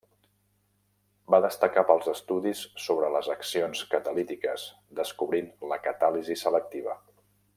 Va destacar pels estudis sobre les accions catalítiques, descobrint la catàlisi selectiva.